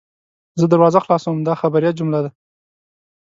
زه دروازه خلاصوم – دا خبریه جمله ده.